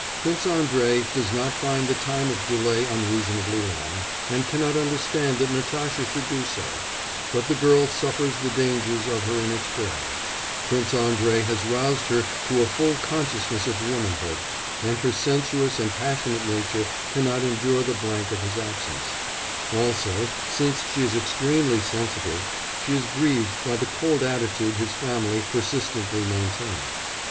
Prince Andrei does not find the time of delay unreasonably long, and cannot understand that Natasha should do so, but the girl suffers the dangers of her inexperience; Prince Andrei has roused her to a full consciousness of womanhood, and her sensuous and passionate nature cannot endure the blank of his absence; also, since she is extremely sensitive, she is grieved by the cold attitude his family persistently maintain.